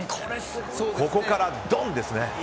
ここからドン！ですね。